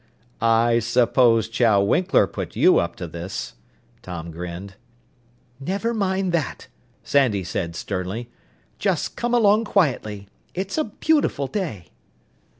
"I suppose Chow Winkler put you up to this." Tom grinned. "Never mind that," Sandy said sternly. "Just come along quietly. It's a beautiful day."